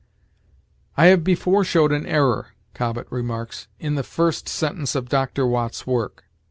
"I have before showed an error," Cobbett remarks, "in the first sentence of Doctor Watts' work.